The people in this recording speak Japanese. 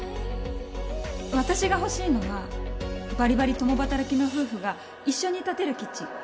私が欲しいのはばりばり共働きの夫婦が一緒に立てるキッチン。